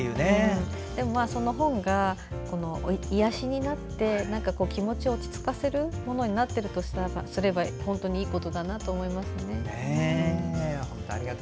その本が癒やしになって気持ちを落ち着かせるものになっているとしたらそれは本当にいいことだなと思いますね。